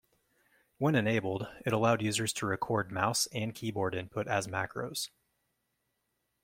When enabled, it allowed users to record mouse and keyboard input as macros.